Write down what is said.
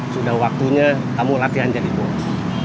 sudah waktunya kamu latihan jadi bos